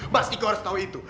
mas iko harus tahu itu